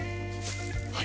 はい。